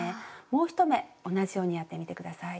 もう１目同じようにやってみて下さい。